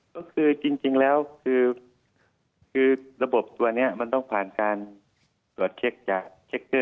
ก็คือจริงแล้วคือระบบตัวนี้มันต้องผ่านการตรวจเช็คจากเช็คเกอร์